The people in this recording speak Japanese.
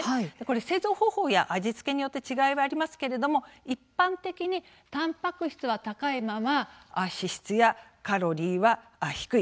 製造方法や味付けによって違いはありますけれども、一般的にたんぱく質は高いまま脂質やカロリーが低い